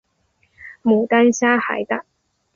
牡丹虾海胆